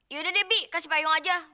yaudah deh bi kasih payung aja